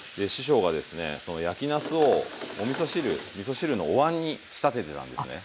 その焼きなすをおみそ汁みそ汁のお椀に仕立ててたんですね。